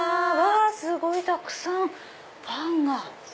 すごいたくさんパンが。